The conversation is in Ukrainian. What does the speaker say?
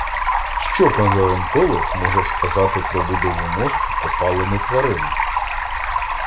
Що палеонтолог може сказати про будову мозку копалини тварини?